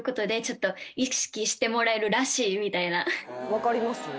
分かります？